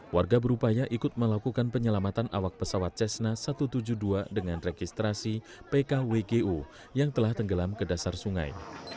warga berupaya ikut melakukan penyelamatan awak pesawat cessna satu ratus tujuh puluh dua dengan registrasi pkwgu yang telah tenggelam ke dasar sungai